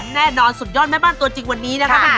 แน่นอนสุดยอดแม่บ้านตัวจริงวันนี้นะคะ